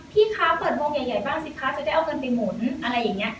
พี่คะเปิดวงใหญ่บ้างสิคะจะได้เอาเงินไปหมุนอะไรอย่างนี้